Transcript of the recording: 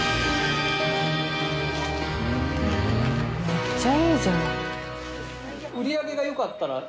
めっちゃいいじゃん。